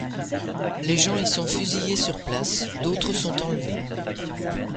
Les gens y sont fusillés sur place, d’autres sont enlevés.